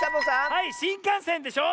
はいしんかんせんでしょ！